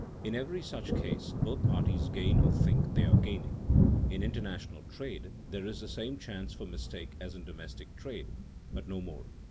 In every such case both parties gain or think they are gaining. In international trade there is the same chance for mistake as in domestic trade, but no more.